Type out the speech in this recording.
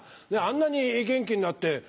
あんなに元気になって。